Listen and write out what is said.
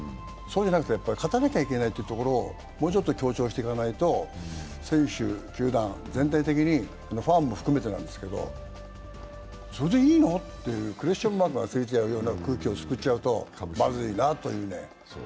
そうじゃなくて、やっぱり勝たなくちゃいけないというところをもうちょっと強調していかないと選手、球団、全体的に、ファンも含めてなんですけどそれでいいの？ってクエスチョンマークがついちゃうような雰囲気をつくるとまずいなと。